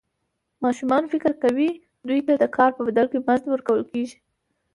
ماشومان فکر کوي دوی ته د کار په بدل کې مزد ورکول کېږي.